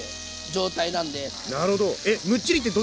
なるほど。